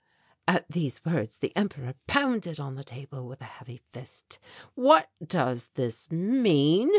At these words the Emperor pounded on the table with a heavy fist. "What does this mean?"